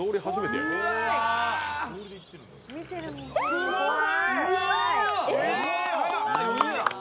すごい！